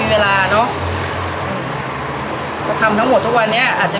มีขอเสนออยากให้แม่หน่อยอ่อนสิทธิ์การเลี้ยงดู